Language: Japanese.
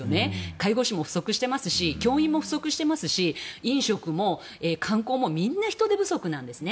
介護士も不足していますし教員も不足していますし飲食も観光もみんな人手不足なんですね。